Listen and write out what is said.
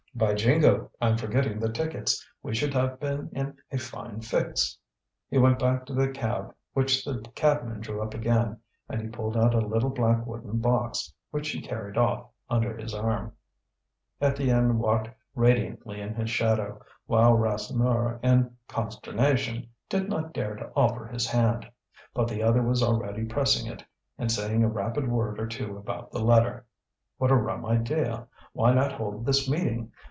"By jingo! I'm forgetting the tickets. We should have been in a fine fix!" He went back to the cab, which the cabman drew up again, and he pulled out a little black wooden box, which he carried off under his arm. Étienne walked radiantly in his shadow, while Rasseneur, in consternation, did not dare to offer his hand. But the other was already pressing it, and saying a rapid word or two about the letter. What a rum idea! Why not hold this meeting?